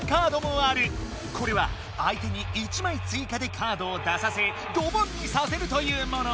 これは相手に１枚追加でカードを出させドボンにさせるというもの。